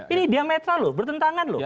ini diametra loh bertentangan loh